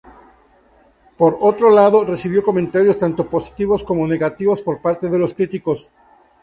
Por otro lado, recibió comentarios tanto positivos como negativos por parte de los críticos.